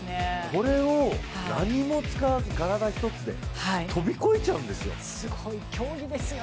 これを何も使わず、体一つで飛び越えちゃうんですよ。